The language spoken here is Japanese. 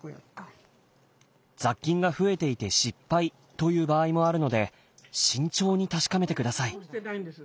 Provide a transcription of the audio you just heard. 雑菌が増えていて失敗という場合もあるので慎重に確かめてください。